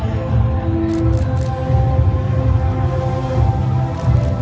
สโลแมคริปราบาล